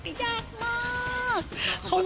ไม่อยากหลอก